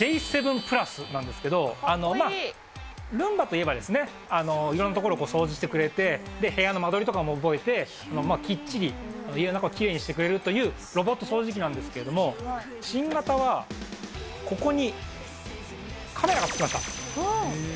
ｊ７＋なんですけど、ルンバといえば、いろんな所を掃除してくれて、部屋の間取りとかも覚えて、きっちり家の中をきれいにしてくれるというロボット掃除機なんですけども、新型は、ここにカメラがつきました。